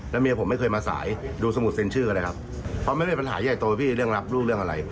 แล้วถามว่าประหลาดอบตรที่ถูกตบทำยังไง